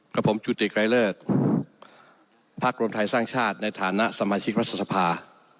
กับผมจุฏริกรรอเตอร์ภาครมไทยสร้างชาติในฐานะสมาชิกวัฒนภาค